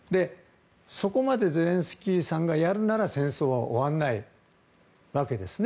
そこまでゼレンスキーさんがやるなら戦争は終わらないわけですね。